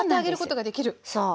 そう。